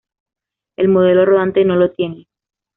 El modelo rodante no lo tiene.